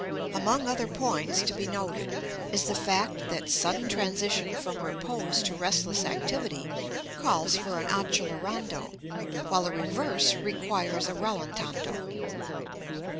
Among other points to be noted is the fact that sudden transition from repose to restless activity calls for an accelerando, while the reverse requires a rallentando.